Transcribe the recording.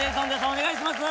お願いします。